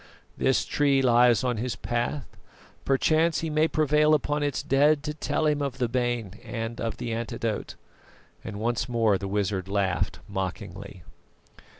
This tree lies on his path; perchance he may prevail upon its dead to tell him of the bane and of the antidote." And once more the wizard laughed mockingly.